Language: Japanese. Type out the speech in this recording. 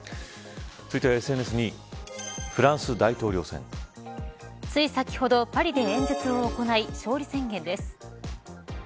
続いてはＳＮＳ２位つい先ほど、パリで演説を行い、勝利宣言です。